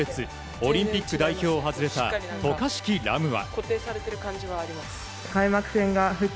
オリンピック代表を外れた渡嘉敷来夢は。